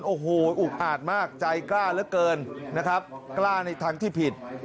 โอ้โหอุบอาดมากใจกล้าเหลือเกินกล้าในทั้งที่ผิด